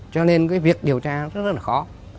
cho nên cái việc điều tra rất là khó